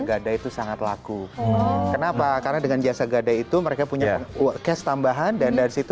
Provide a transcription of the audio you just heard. gada itu sangat laku kenapa karena dengan jasa gadai itu mereka punya cash tambahan dan dari situ